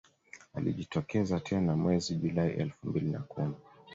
Alijitokeza tena mwezi Julai elfu mbili na kumi